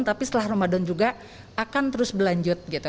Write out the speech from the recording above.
tapi setelah ramadan juga akan terus berlanjut gitu